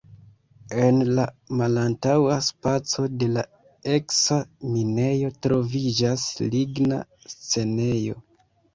En la malantaŭa spaco de la eksa minejo troviĝas ligna scenejo.